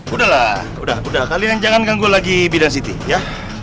udah lah udah udah kalian jangan ganggu lagi bidan siti ya